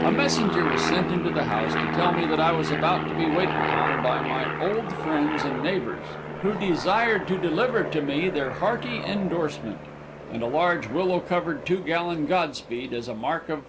A messenger was sent into the house to tell me that I was about to be waited upon by my old friends and neighbors, who desired to deliver to me their hearty indorsement, and a large willow covered two gallon godspeed as a mark of esteem.